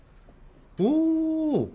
お！